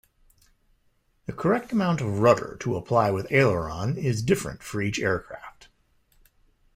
The correct amount of rudder to apply with aileron is different for each aircraft.